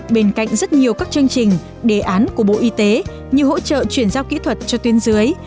bên cạnh rất nhiều các chương trình đề án của bộ y tế như hỗ trợ chuyển giao kỹ thuật cho tuyến dưới